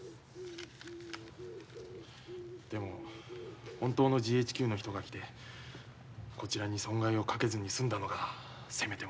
でも本当のＧＨＱの人が来てこちらに損害をかけずに済んだのがせめてもの救いです。